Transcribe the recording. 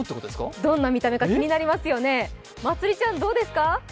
どんな見た目か気になりますよね、まつりちゃんどうですか？